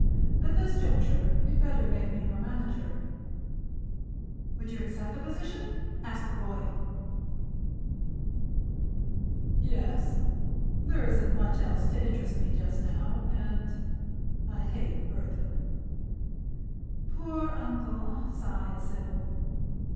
At this juncture you'd better make me your manager." "Would you accept the position?" asked the boy. "Yes; there isn't much else to interest me just now, and—I hate Burthon." "Poor uncle!" sighed Sybil.